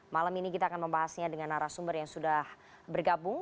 malam ini kita akan membahasnya dengan arah sumber yang sudah bergabung